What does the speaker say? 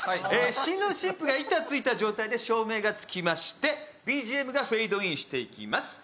新郎新婦が板についた状態で照明がつきまして、ＢＧＭがフェードインしていきます。